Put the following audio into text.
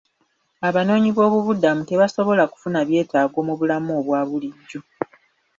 Abanoonyiboobubudamu tebasobola kufuna byetaago mu bulamu obwa bulijjo.